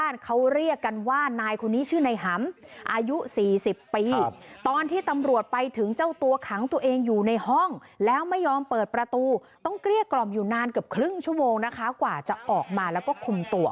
แล้วก็จะแค่ดวงนะคะกว่าจะขยับมาและกลับหัว